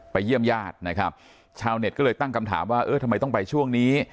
เยี่ยมญาตินะครับชาวเน็ตก็เลยตั้งคำถามว่าเออทำไมต้องไปช่วงนี้